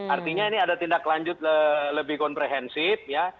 artinya ini ada tindak lanjut lebih komprehensif ya